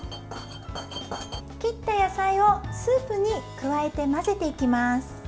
切った野菜をスープに加えて混ぜていきます。